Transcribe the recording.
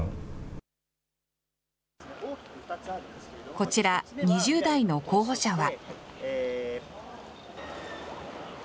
こちら、２０代の候補者は。